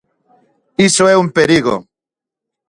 ¡Iso é un perigo!